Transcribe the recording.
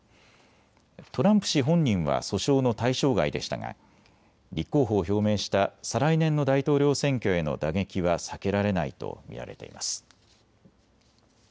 トランプ氏本人は訴訟の対象外でしたが立候補を表明した再来年の大統領選挙への打撃は避けられないと見られています。